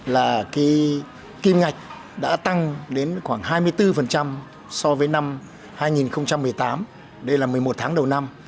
là cái kim ngạch đã tăng đến khoảng hai mươi bốn so với năm hai nghìn một mươi tám đây là một mươi một tháng đầu năm